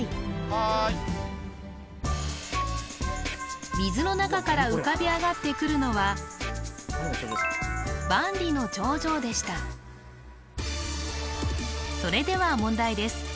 はーい水の中から浮かび上がってくるのは万里の長城でしたそれでは問題です